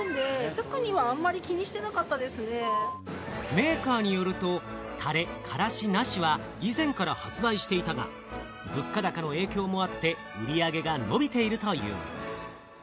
メーカーによると、「タレ・カラシなし」は以前から発売していたが、物価高の影響もあって、売り上げが伸びているという。